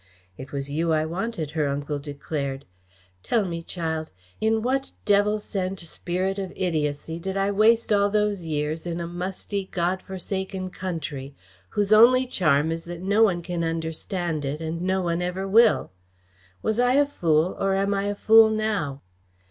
"It was you I wanted," her uncle declared. "Tell me, child, in what devil sent spirit of idiocy did I waste all those years in a musty, God forsaken country, whose only charm is that no one can understand it and no one ever will. Was I a fool or am I a fool now?"